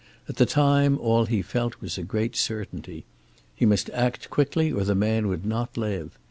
At the time all he felt was a great certainty. He must act quickly or the man would not live.